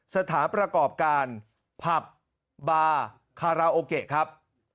สถานประกอบการผับบาร์คาราโอเกะครับ